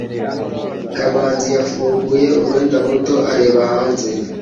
kamanzi yafunguye umwenda muto areba hanze